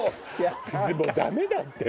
もうダメだって！